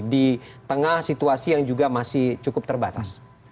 di tengah situasi yang juga masih cukup terbatas